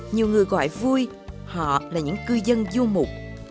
nhiều người gọi vui họ là những cư dân du mục